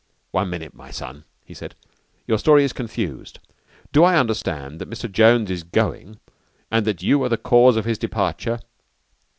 "One minute, my son," he said. "Your story is confused. Do I understand that Mr. Jones is going and that you are the cause of his departure?"